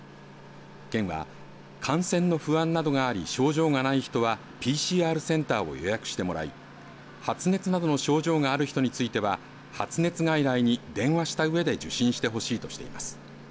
県は、感染の不安などがあり症状がない人はＰＣＲセンターを予約してもらい発熱などの症状がある人については発熱外来に電話したうえで受診してほしいとしています。